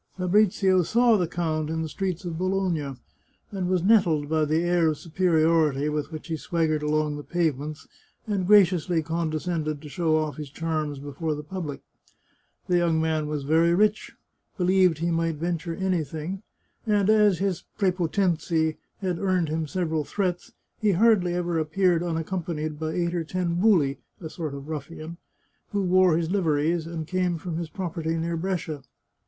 Fabrizio saw the count in the streets of Bologna, and was nettled by the air of superiority with which he swaggered along the pavements, and graciously condescended to show off his charms before the public. The young man was very rich, believed he might venture any thing, and as his prepotenzi had earned him several threats, he hardly ever appeared unaccompanied by eight or ten hull (a sort of ruffian) who wore his liveries, and came from his property near Brescia.